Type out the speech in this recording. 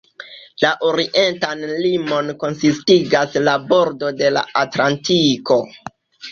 La orientan limon konsistigas la bordo de la Atlantiko.